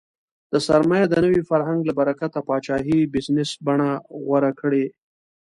د سرمایې د نوي فرهنګ له برکته پاچاهۍ بزنس بڼه غوره کړې.